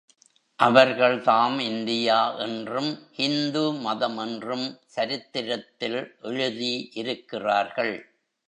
அவர்கள்தாம் India என்றும், ஹிந்து மதம் என்றும் சரித்திரத்தில் எழுதி இருக்கிறார்கள்.